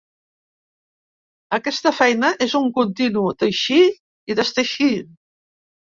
Aquesta feina és un continu teixir i desteixir.